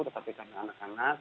tetapi karena anak anak